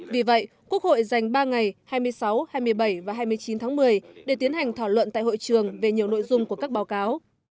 vì vậy quốc hội dành ba ngày hai mươi sáu hai mươi bảy và hai mươi chín tháng một mươi để tiến hành thảo luận tại hội trường về nhiều nội dung của các báo cáo